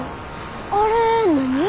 あれ何？